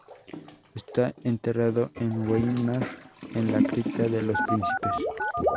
Está enterrado en Weimar, en la cripta de los príncipes.